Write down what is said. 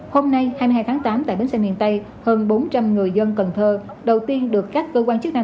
hôm nay hai mươi hai tháng tám tại bến xe miền tây hơn bốn trăm linh người dân cần thơ đầu tiên được các cơ quan chức năng